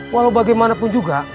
walau bagaimanapun juga